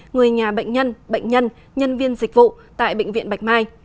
người nhà bệnh nhân bệnh nhân nhân viên dịch vụ tại bệnh viện bạch mai